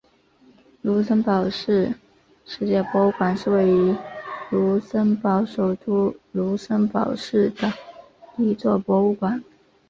卢森堡市历史博物馆是位于卢森堡首都卢森堡市的一座博物馆。